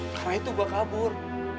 karena itu gue kabur